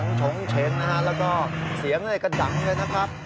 ของชงเช้นนะครับแล้วก็เสียงก็ดังเลยนะครับ